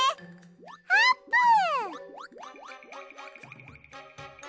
あーぷん！